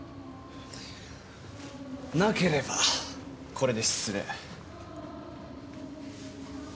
なければこれで失礼。